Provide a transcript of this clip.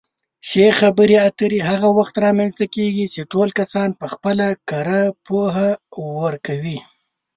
ښې خبرې اترې هغه وخت رامنځته کېږي چې ټول کسان پخپله کره پوهه ورکوي.